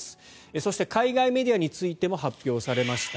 そして、海外メディアについても発表されました。